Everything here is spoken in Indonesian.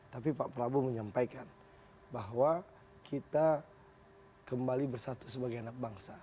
tapi pak prabowo menyampaikan bahwa kita kembali bersatu sebagai anak bangsa